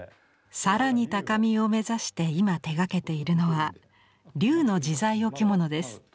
更に高みを目指して今手がけているのは龍の自在置物です。